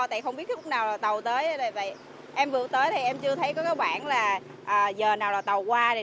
tại không biết khi nào tàu tới em vừa tới thì em chưa thấy có cái bản là giờ nào là tàu qua